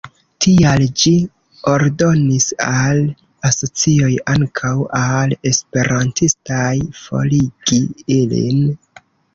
Tial ĝi ordonis al asocioj, ankaŭ al esperantistaj, forigi ilin.